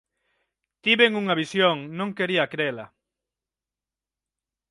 Tiven unha visión. Non quería crela.